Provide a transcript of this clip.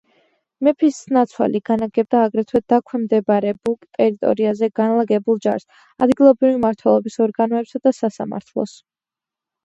მეფისნაცვალი განაგებდა აგრეთვე დაქვემდებარებულ ტერიტორიაზე განლაგებულ ჯარს, ადგილობრივი მმართველობის ორგანოებსა და სასამართლოს.